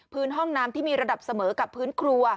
ห้องน้ำที่มีระดับเสมอกับพื้นครัว